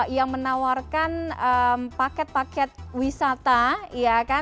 yang menawarkan paket paket wisata